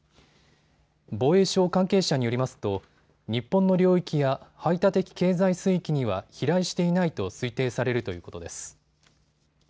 防衛省関係者によりますと日本の領域や排他的経済水域には飛来していないと推定されるということです。